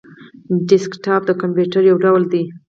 ډیسکټاپ د کمپيوټر یو ډول دی